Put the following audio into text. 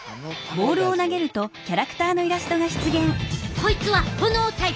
こいつはほのおタイプ。